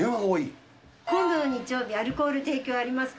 今度の日曜日、アルコールの提供ありますか？